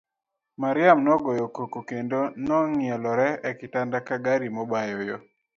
Mariamu nogoyo koko kendo nong'ielore e kitanda ka gari mobayo yoo.